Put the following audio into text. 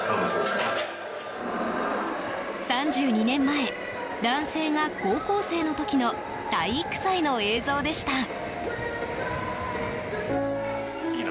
３２年前、男性が高校生の時の体育祭の映像でした。